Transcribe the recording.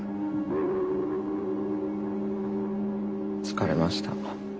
疲れました